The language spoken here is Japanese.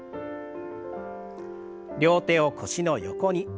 両手を腰の横に。